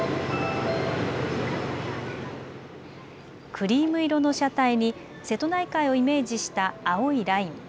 クリーム色の車体に瀬戸内海をイメージした青いライン。